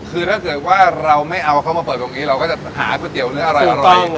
คือถ้าเกิดว่าเราไม่เอาเขามาเปิดตรงนี้เราก็จะหาก๋วเนื้ออร่อย